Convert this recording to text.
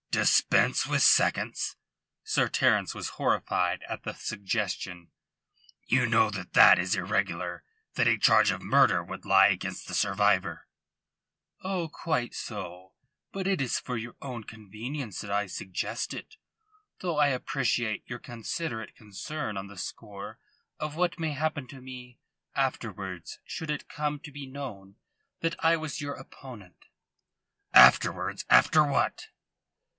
"Dispense with seconds?" Sir Terence was horrified at the suggestion. "You know that that is irregular that a charge of murder would lie against the survivor." "Oh, quite so. But it is for your own convenience that I suggest it, though I appreciate your considerate concern on the score of what may happen to me afterwards should it come to be known that I was your opponent." "Afterwards? After what?"